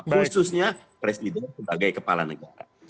khususnya presiden sebagai kepala negara